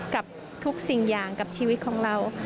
กับทุกสิ่งอย่างกับชีวิตของเรา